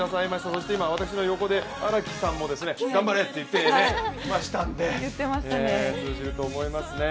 そして今、私の横で荒木さんも「頑張れ！」って言ってましたので通じると思いますね。